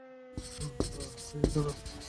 ওহ, আহ, হেই, সোনা।